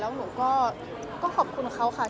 แล้วหนูก็ขอบคุณเขาค่ะ